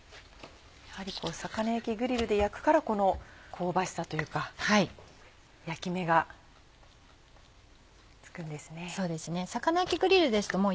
やはり魚焼きグリルで焼くからこの香ばしさというか焼き目がつくんですね。